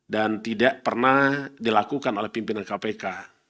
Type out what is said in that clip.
dan tidak pernah dilakukan oleh pimpinan kpk